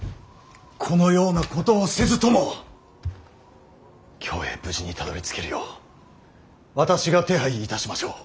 このようなことをせずとも京へ無事にたどりつけるよう私が手配いたしましょう。